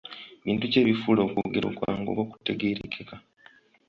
Bintu ki ebifuula okwogera okwangu oba okutegeerekeka?